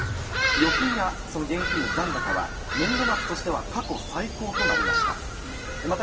預金やその現金の残高は、年度末としては過去最高となりました。